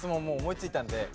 もう思いついたんで。